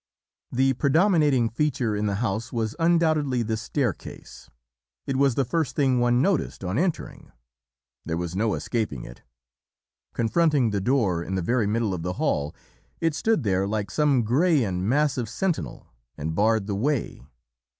"The predominating feature in the house was undoubtedly the staircase. "It was the first thing one noticed on entering; there was no escaping it. Confronting the door in the very middle of the hall, it stood there like some grey and massive sentinel and barred the way.